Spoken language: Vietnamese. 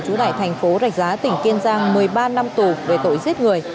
chủ đại thành phố rạch giá tỉnh kiên giang một mươi ba năm tù về tội giết người